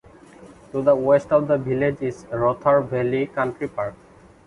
To the west of the village is Rother Valley Country Park.